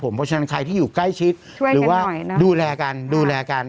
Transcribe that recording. เพราะฉะนั้นใครที่อยู่ใกล้ชิดหรือว่าดูแลกันดูแลกัน